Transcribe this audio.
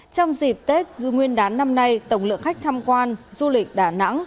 trong dịp tết nguyên đán năm nay tổng lượng khách tham quan du lịch đà nẵng